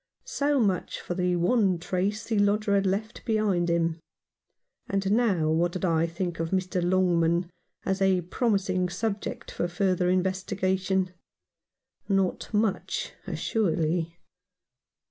So much for the one trace the lodger had left behind him. And now what did I think of Mr. Longman as a promising subject for further in vestigation ? Not much, assuredly.